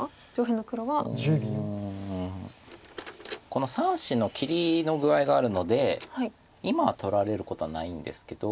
この３子の切りの具合があるので今は取られることはないんですけど。